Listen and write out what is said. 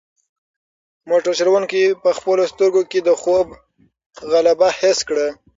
موټر چلونکی په خپلو سترګو کې د خوب غلبه حس کړه.